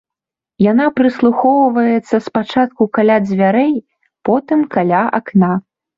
Яна прыслухоўваецца спачатку каля дзвярэй, потым каля акна.